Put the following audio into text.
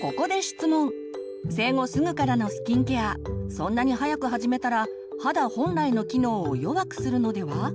そんなに早く始めたら肌本来の機能を弱くするのでは？